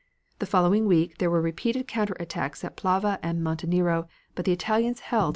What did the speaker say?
The following week there were repeated counter attacks at Plava and on Monte Nero, but the Italians held what they had won.